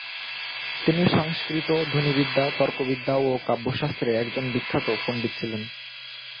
তিনি সংস্কৃত ধ্বনিবিদ্যা, তর্কবিদ্যা ও কাব্যশাস্ত্রে একজন বিখ্যাত পণ্ডিত ছিলেন।